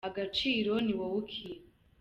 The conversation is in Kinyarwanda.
Agaciro ni wowe ukiha.